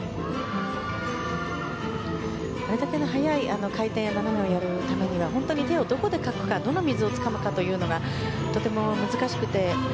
あれだけの速い回転をやるためには本当に手をどこでかくかどの水をつかむかがとても難しくて。